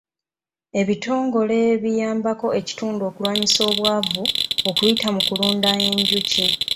Ebitongole biyambako ekitundu okulwanyisa obwavu okuyita mu kulunda enjuki.